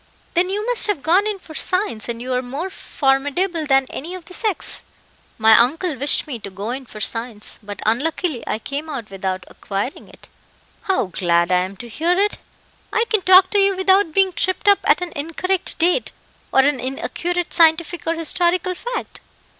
"Then you must have gone in for science, and you are more formidable than any of the sex." "My uncle wished me to go in for science, but unluckily I came out without acquiring it." "How glad I am to hear it! I can talk to you without being tripped up at an incorrect date, or an inaccurate scientific or historical fact.